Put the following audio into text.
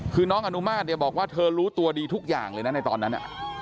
คือน้องอนุมาตรเนี่ยบอกว่าเธอรู้ตัวดีทุกอย่างเลยนะในตอนนั้น